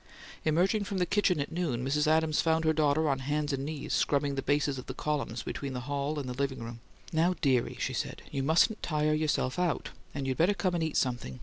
Emerging from the kitchen at noon, Mrs. Adams found her daughter on hands and knees, scrubbing the bases of the columns between the hall and the "living room." "Now, dearie," she said, "you mustn't tire yourself out, and you'd better come and eat something.